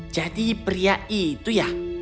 jadi pria itu ya